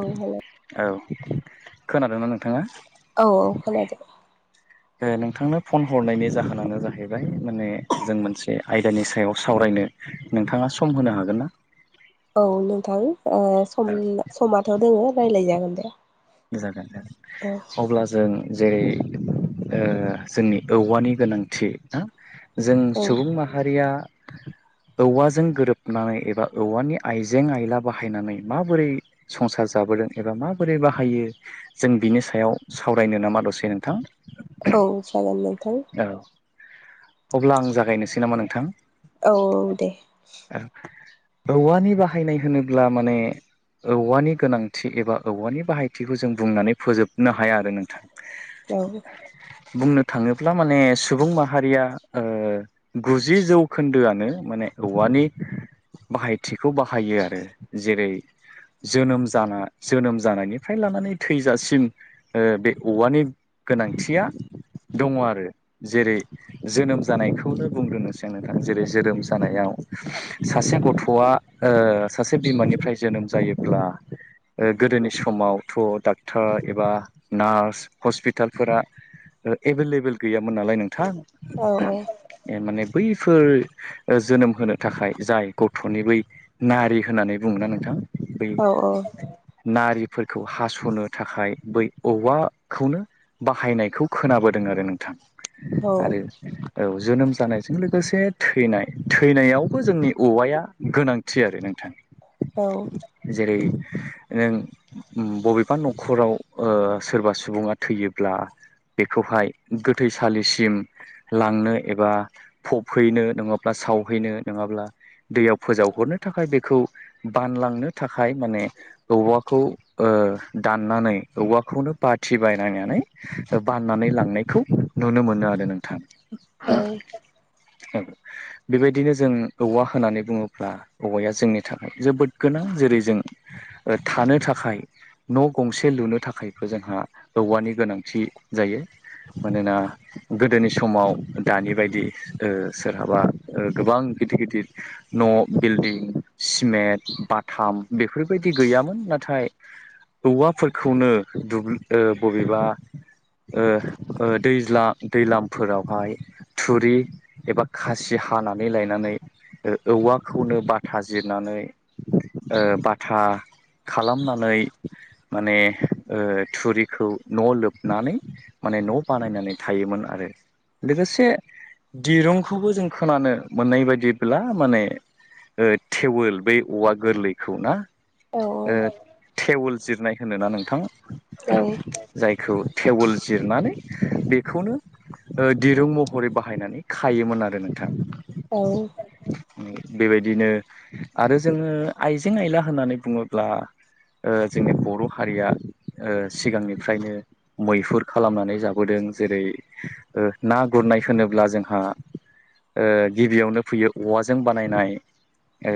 औ हेल' औ खोनादोंना नोंथाङा? औ औ खोनादों। ए नोंथांनो फन हरनायनि जाहोनानो जाहैबाय माने जों मोनसे आयदानि सायाव सावरायनो नोंथाङा सम होनो हागोन ना? औ नोंथां ओ सम समाथ' दोङो रायलाय जागोन दे। जागोन जागोन औ अब्ला जों जेरै ओ जोंनि औवानि गोनांथि ना जों औ सुबुं माहारिया औवाजों गोरोबनानै एबा औवानि आइजें आइला बाहायनानै माबोरै संसार जाब लाबोदों एबा माबोरै बाहायो जों बिनि सायाव सावरायनो नामा दसे नोंथां? औ जागोन दे। औ। अब्ला आं जागायनोसै नामा नोंथां? औ दे। औवानि बाहायनाय होनोब्ला माने औवानि गोनांथि एबा औवानि बाहायथिखौ जों बुंनानै फोजोबनो हाया आरो नोंथां। औ बुंनो थाङो सिख्ला माने सुबुं माहारिया ओ गुजि जौखोन्दोआनो माने औवानि बाहायथिखौ बाहायो आरो, जेरै जोनोम जाना जोनोम जानायनिफ्राय लानानै थैजासिम ओ बे औवानि गोनांथिया दंङ आरो जेरै जोनोम जानायखौनो बुंग्रोनोसै नोंथां जेरै जोनोम जानायाव सासे गथ'आ ओ सासे बिमानिफ्राय जोनोम जायोब्ला ओ गोदोनि समावथ' डाक्टर एबा नार्स हस्पिटालफोरा ओ एभेलेबोल गैयामोन नालाय नोंथां औ ए माने बैफोर ओ जोनोम होनो थाखाय जाय गथ'नि बै नारि होननानै बुंङोना नोंथां बै औ औ नारिफोरखौ हास'नो थाखाय बै औवाखौनो बाहायनायखौ खोनाबोद दों आरो नोंथां औ आरो औ जोनोम जानायजों लोगोसे थैनाय थैनायावबो जोंनि औवाया गोनांथि आरो नोंथां औ जेरै नों बबेबा नखराव ओ सोरबा सुंबुङा थैयोब्ला खौहाय गोथैसालिसिम लांनो एबा फबहैनो नंङाब्ला साव हैनो नंङाब्ला दैयाव फोजावहरनो थाखाय बेखौ बानलांनो थाखाय माने औवाखौ ओ ओ दाननानै औवाखौनो बाथि बायनायनानै बाननानै लांनायखौ नुनो मोनो आरो नोंथां बेबायदिनो जों औवा होननानै बुंङोब्ला औवाया जोंनि थाखाय जोबोद गोनां जेरै जों ओ थानो थाखाय न' गंसे लुनो थाखायबो जोंहा औवानि गोनांथि जायो मानोना गोदोनि समाव दानि बायदि ओ सोरहाबा‌ ओ गोबां गिदिर गिदिर न' बिल्डं सिमेन्ट बाथाम बेफोरबायदि गैयामोन नाथाय औवाफोरखौनो दूबलि बबेबा ओ ओ दैज्ला दैलां फोरावहाय थुरि एबा खासि हा हानानै लायनानै ओ औवाखौनो बाथा जिरनानै ओ बाथा खालामनानै माने ओ थुरिखौ न' लोबनानै माने न' बानायनानै थायोमोन आरो लोगोसे दिरुंखौबो जों खोनानो मोननाय बायदिब्ला माने ओ टेवल बै औवा गोरलैखौ ना ओ थेवल जिरनाय होनोना नोंथां जायखौ टेबोल बेखौनो दिरुं महरै बाहायनानै खायोमोन आरो नोंथां। औ बेबायदिनो आरो जोंङो आइजें आयला होननानै बुंङोब्ला ओ जोंनि बर' हारिया ओ सिगांनिफ्रायनो मैहुर खालामनानै जाबोदों जेरै ओ ना गुरनाय होनोब्ला जोंहा ओ गिबियावनो फैयो औवाजों बानायनाय ओ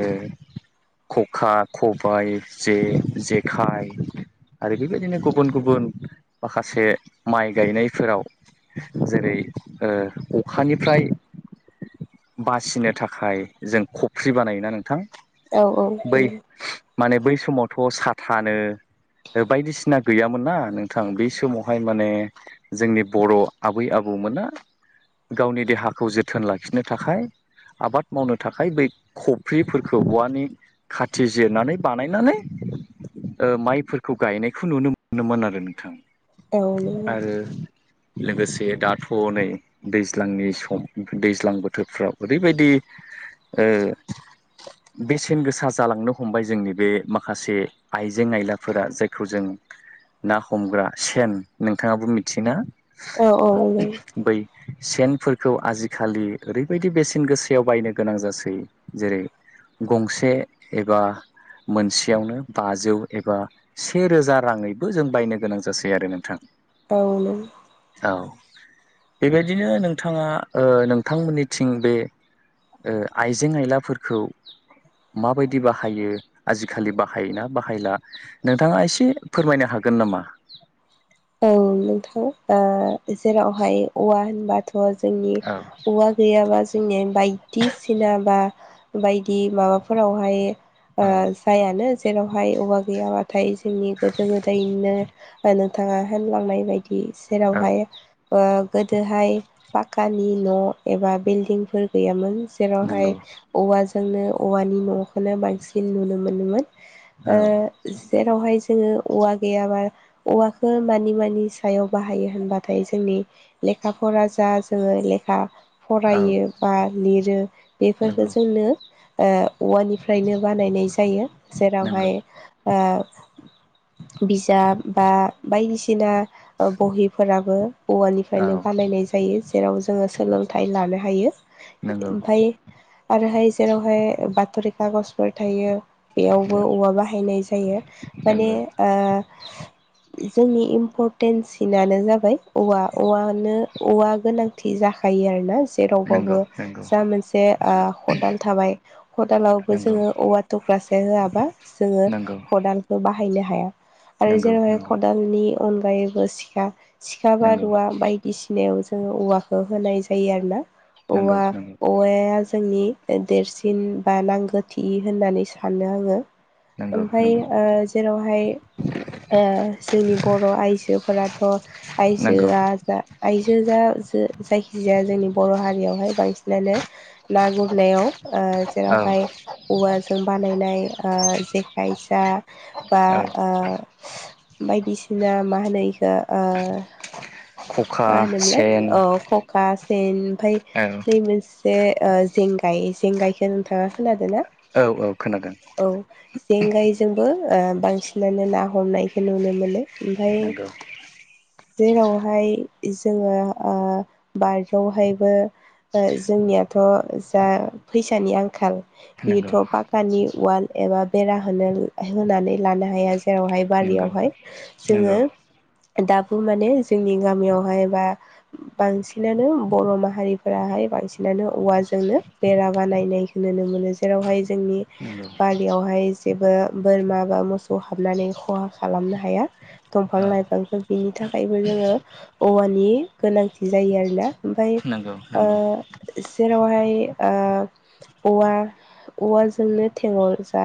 खखा खबाय जे जेखाइ आरो बेबायदिनो गुबुन गुबुन माखासे माइ गायनायफोराव जेरै ओ अखानिफ्राय बासिनो थाखाय जों खफ्रि बानायोना नोंथां औ औ बै माने बै समावथ' साथानो बायदिसिना गैयामोनना नोंथां बै समावहाय माने जोंनि बर' आबै आबौमोना गावनि देहाखौ जोथोन लाखिनो थाखाय आबाद मावनो थाखाय बै खफ्रिफोरखौ औवानि खाथि जिरनानै बानायनानै ओ माइफोरखौ गायनायखौ नुनो मोनोमोन आरो नोंथां औ नंगौ आरो लोगोसे दाथ' नै दैज्लांनि सम दैज्लां बोथोरफ्राव ओरैबायदि ओ बेसेन गोसा जालांनो हमबाय जोंनि बे माखासे आइजें आइलाफोरा जायखौ जों ना हमग्रा सेन नोंथांङाबो मिथियोना औ औ नंगौ बै सेनफोरखौ आजिखालि ओरैबायदि बेसेन गोसायाव बायनो गोनां जासै जेरै गंसे एबा मोनसेयावनो बाजौ एबा से रोजा राङैबो जों बायनो गोनां जासै आरो नोंथां। [unintelligible] औ बेबायदिनो नोंथाङा ओ नोंथांमोननिथिं बे ओ आइजें आयलाफोरखौ माबायदि बाहायो आजिखालि बाहायोना बाहायला नोंथाङा एसे फोरमायनो हागोन गोन नामा औ नोंथां ओ जेरावहाय औवा होनबाथ'। जोंनि औ औवा गैयाबा जोंनि बायदिसिना बा बायदि माबाफोरावहाय ओ औ जायानो जेरावहाय औवा गैयाब्ला नाथाय जोंनि गोदो गोदायनो नोंथाङा होनलांनाय औ जेरावहाय ओ गोदोहाय पाकानि न' एबा बिलडिंफोर गैयामोन नंगौ जेरावहाय औवा जोंनो औवानि न'खौनो बांसिन नुनो मोनोमोन ओ औ जेरावहाय जोङो औवा गैयाबा औवाखौ मानि मानि सायाव बाहायो होनबाथाय जोंनि लेखाफोरा जा जोङो लेखा औ फरायो बा लिरो बेफोरफोरखौ नंगौ जोंनो ओ औवानिफ्रायनो बानायनाय जायो नंगौ जेरावहाय ओ बिजाब बा बायदिसिना ओ बहिफोराबो औवानिफ्रायनो औ बानायनाय जायो जेराव जोङो सोलोंथाइ लानो हायो। नांगौ। ओमफाय आरोहाय जेरावहाय बाथरि खागजफोर थायो। बेयावबो नंगौ औवा बाहायनाय जायो माने नंगौ ओ जोंनि इम्पर्ट सिनानो जाबाय औवा औवा नो औवा गोनांथि जाखायो आरोना नंगौ जेरावबाबो नंगौ जा मोनसे ओ खदाल थाबाय खदालावबो नंगौ जोङो औवा थख [unintelligible] जोङो नंगौ खदालखौ बाहायनो हाया आरो नंगौ जेरैहाय नंगौ खदालनि अनगायैबो सिखा सिखा नंगौ बारुवा बायदिसिनायाव जोङो औवाखौ होनाय जायो आरो ना। नंगौ औवा औवाया जोंनि देरसिन बा नांगौथि होननानै सानो आङो। नंगौ ओमफाय नंगौ ओ जेरावहाय ओ जोंनि बर' आइजो फोराथ' नंगौ आइजोआ जा आइजोआ जायखिजाया जोंनि बर' हारियावहाय बांसिनानो ना गुरनायाव ओ औ जेरावहाय औवाजों बानायनाय ओ जेखाइ जा बा औ ओ बायदिसिना मा होनो इखौ ओ खखा मा होनोमोनलाय सेन औ खकास। जेन ओमफाय औ नै मोनसे ओ जेंगाय जेंगायखौ नोंथाङा खोनादों ना। औ औ खोनादों। औ जेंगायजोंबो ओ बांसिनानो ना हमनायखौ नुनो मोनो ओमफाय नंगौ जेरावहाय जोङो ओ बाजयावहायबो ओ जोंनियाथ' जा फैसानि आंखाल नंगौ बेथ' पाकानि वाल एबा बेरा होनो होनानै लानो हाया जेरावहाय नंगौ बारियावहाय नंगौ जोङो दाबो माने जोंनि गामियाव हाय बा बांसिनानो बर' माहारिफोराहाय बांसिनानो औवाजोंनो बेरा माबा नाय नायखोनो नुनोमोनो जेरावहाय जोंनि नंगौ बारियावहाय जेबो बोरमा बा मौसौ सौ हाबनानै खहा खालामनो हाया दंफां औ लाइफांफोर बिनि थाखायबो जोङो औवानि गोनांथि जायो आरोना ओमफाय नंगौ नंगौ ओ जेरावहाय ओ औवा औवाजोंनो थेवोल जा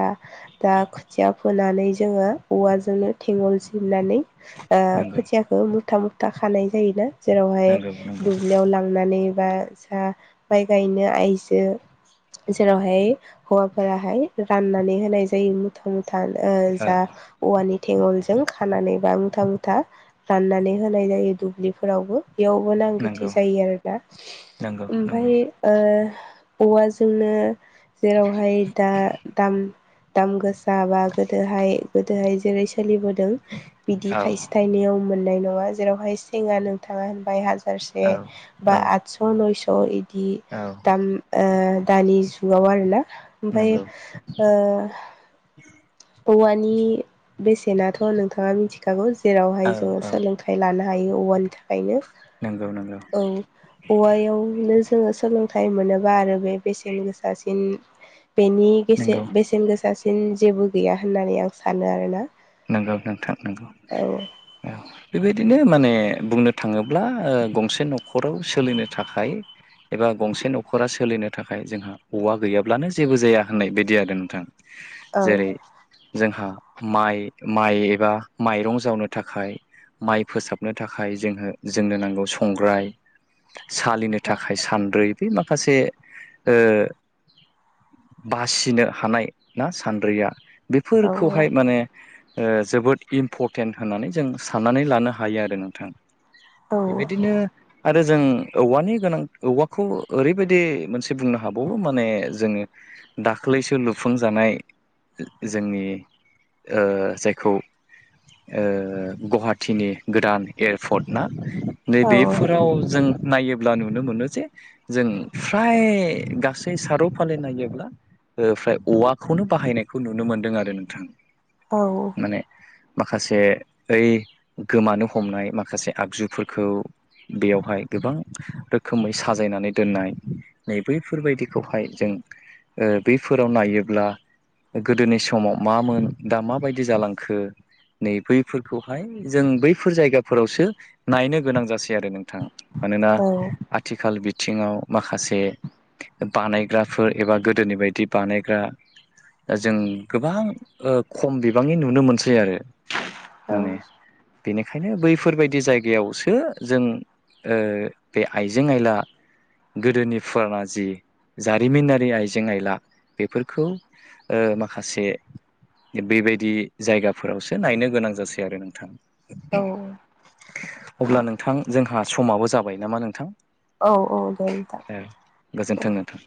दा खोथिया फुनानै जोङो औवाजोंनो थें वोल जिरनानै नंगौ खोथियाखौ मुथा मुथा खानाय जायोना जेरावहाय नंगौ नंगौ दुब्लियाव लां लांनानै बा सा माइ गायनो आइजो जेरावहाय हौवाफोराहाय राननानै होनाय जायो मुथा मुथि थानो औ जा औवानि थेगलजों खानानै बा मुथा मुथा राननानै होनाय जायो दुब्लिफोरावबो बेयावबो नांगौथे नंगौ जायो आरो ना नंगौ नंगौ ओमफाय ओ औवाजोंनो जेरावहाय दा दाम दाम गोसा बा गोदोहाय गोदोहाय जेरै सोलिबोदों बिदि औ थाइसे थाइनैआव मोननाय नङा जेरावहाय जेंङा नोंथाङा होनबाय हाजारसे औ बा आठस' नयस' बिदि औ दाम ओ दानि जुगाव आरोना ओमफ्राय नंगौ ओ [inaudible] औवानि बेसेनाथ' नोंथाङा मिथिखागौ जेरावहाय औ जोङो औ सोलोंथाइ लाना जायो औवानि थाखायनो नंगौ नंगौ औ औवायावनो जोङो सोलोंथाइ मोनोबा आरो बे बेसेन गोसासिन बे बेनि बेसे नंगौ बेसेन गोसासिन जेबो गैया होननानै आं सानो आरोना नंगौ नोंथां नंगौ औ औ बेबायदिनो माने बुंनो थाङोब्ला ओ गंसे न'खराव सोलिनो थाखाय एबा गंसे न'खरा सोलिनो थाखाय जोंहा औवा गैयाब्लानो जेबो जाया होननाय बायदि आरो नोंथां औ जेरै जोंहा माइ माइ एबा माइरं जावनो थाखाय माइ फोसाबनो थाखाय जोंङो जोंनो नांगौ संग्राय सालिनो थाखाय सान्द्रै बि माखासे ओ बासिनो हानाय ना सान्द्रिया औ बेफोरखौहाय माने ओ जोबोद इम्परटेन्ट होननानै जों सा साननानै लानो हायो आरो नोंथां औ बेबायदिनो आरो जों औवानि गोनां औवाखौ ओरैबायदि मोनसे बुंनो हाबावो माने जोङो दाख्लैसो लुफुंजानाय जोंनि ओ जायखौ ओ गुवाहाटिनि गोदान एयारपर्ट ना औ नैबेफोराव जों नायोब्ला नुनो मोनो जे जों फ्राय गासै सारौ फालि नायोब्ला ओमफ्राय औवाखौनो बाहायनायखौ नुनो मोनदों आरो नोंथां औ माने माखासे ओइ गोमानो हमनाय माखासे आगजुफोरखौ बेयावहाय गोबां रोखोमै साजायनानै दोननाय नै बैफोरबायदिखौहाय जों ओ बैफोराव नायोब्ला गोदोनि समाव मामोन दा माबायदि जालांखो नैबै फोरखौहाय जों बैफोर जायगाफोरावसो नायनो गोनां जासै आरो नोंथां मानोना आथिखाल बिथिङाव माखासे बानायग्राफोर एबा गोदोनि बायदि बानायग्रा दा जों गोबां ओ खम बिबांनि नुनो मोनसै आरो माने बेनिखायनो बैफोरबायदि जायगायावसो जों ओ बे आइजें आयला गोदोनि फुराना जि जारिमिनारि आइजें आयला बेफोरखौ ओ माखासे बेबायदि जायगाफोरावसो नायनो गोनां जासै आरो नोंथां औ अब्ला नोंथां जोंहा समाबो जाबाय नामा नोंथां औ औ दे नोंथां एह गोजोन्थों नोंथां